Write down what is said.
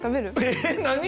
えっ何？